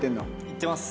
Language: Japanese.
行ってます。